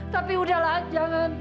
tapi udahlah jangan